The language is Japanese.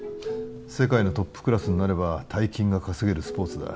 世界のトップクラスになれば大金が稼げるスポーツだ